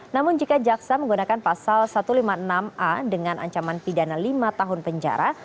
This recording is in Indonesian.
namun jika jaksa menggunakan pasal satu ratus lima puluh enam a dengan ancaman pidana lima tahun penjara